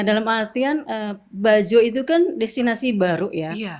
dalam artian bajo itu kan destinasi baru ya